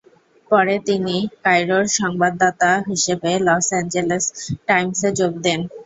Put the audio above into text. পরে তিনি কায়রোর সংবাদদাতা হিসেবে "লস এঞ্জেলেস টাইমসে যোগ দেন।"